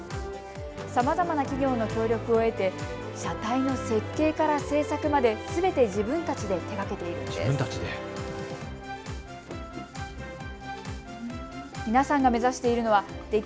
さまざまな企業の協力を得て車体の設計から製作まですべて自分たちで手がけているんです。